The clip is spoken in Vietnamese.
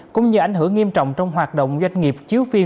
cũng như ảnh hưởng nghiêm trọng trong hoạt động doanh nghiệp chiếu phim